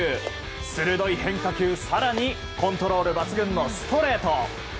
鋭い変化球、更にコントロール抜群のストレート。